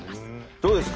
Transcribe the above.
どうですか？